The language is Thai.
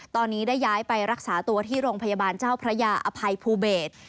ตอนนี้ได้ย้ายไปรักษาตัวที่โรงพยาบาลเจ้าพระยาอภัยภูเบศ